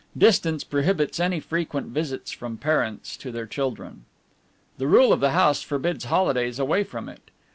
Distance prohibits any frequent visits from parents to their children. The rule of the House forbids holidays away from it.